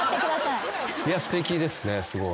いやすてきですねすごい。